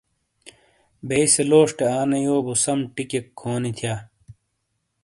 بیئی سے لوشٹے آنے یو بو سَم ٹِیکیک کھونی تھیا۔